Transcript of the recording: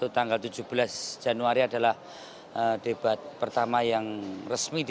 tanggal tujuh belas januari adalah debat pertama yang resmi